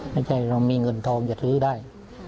ไม่ใช่เรามีเงินทองจะซื้อได้